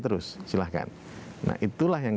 terus silahkan nah itulah yang